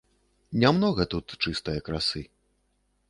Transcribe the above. Нямнога тут чыстае красы.